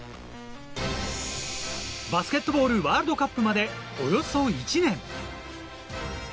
バスケットボールワールドカップまでおよそ１年。